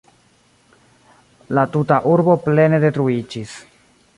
La tuta urbo plene detruiĝis.